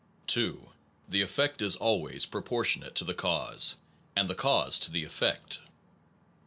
2. The effect is always proportionate to the cause, and the cause to the effect.